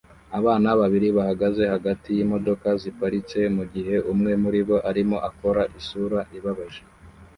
Abana babiri bahagaze hagati yimodoka ziparitse mugihe umwe muribo arimo akora isura ibabaje